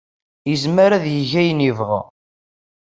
Yezmer ad yeg ayen yebɣa.